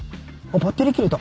バッテリー切れた。